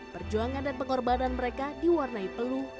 perjuangan dan pengorbanan mereka diwarnai peluh